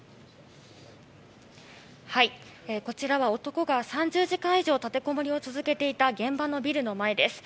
こちらは男が３０時間以上立てこもりを続けていて現場のビルの前です。